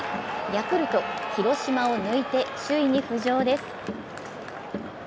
ヤクルト、広島を抜いて首位に浮上です。